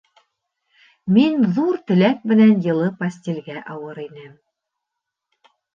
Мин ҙур теләк менән йылы постелгә ауыр инем